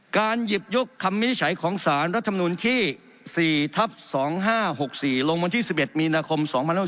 หยิบยกคำวินิจฉัยของสารรัฐมนุนที่๔ทับ๒๕๖๔ลงวันที่๑๑มีนาคม๒๖๖